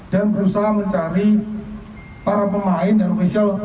dan berusaha mencari para pemain dan official